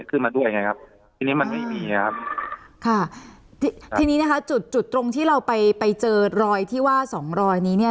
ขึ้นมาด้วยไงครับทีนี้มันไม่มีครับค่ะทีนี้นะคะจุดจุดตรงที่เราไปไปเจอรอยที่ว่าสองรอยนี้เนี้ย